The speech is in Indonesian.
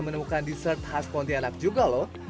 menemukan dessert khas pontianak juga loh